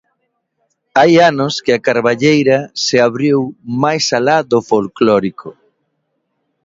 Hai anos que a Carballeira se abriu máis alá do folclórico.